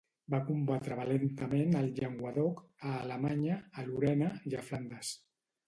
Va combatre valentament al Llenguadoc, a Alemanya, a Lorena i a Flandes.